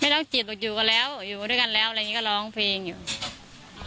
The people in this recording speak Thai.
ต้องจิตบอกอยู่กันแล้วอยู่ด้วยกันแล้วอะไรอย่างนี้ก็ร้องเพลงอยู่